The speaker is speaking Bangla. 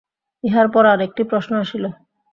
ইহার পর আর একটি প্রশ্ন আসিল।